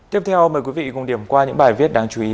tiếp theo mời quý vị cùng điểm qua những bài viết đáng chú ý